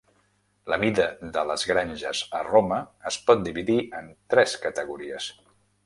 La mida de les granges a Roma es pot dividir en tres categories.